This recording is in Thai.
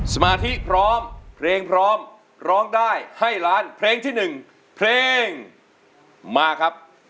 สมาธิพร้อมเพลงพร้อมร้องได้ให้ล้านเพลงที่๑เพลงมาครับ